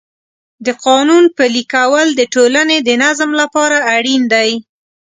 د قانون پلي کول د ټولنې د نظم لپاره اړین دی.